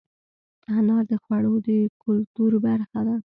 انار د خوړو د کلتور برخه ده.